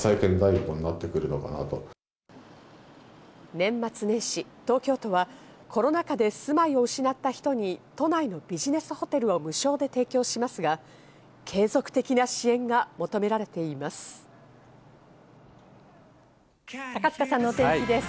年末年始、東京都はコロナ禍で住まいを失った人に都内のビジネスホテルを無償で提供しますが、継続的な支援が求められています。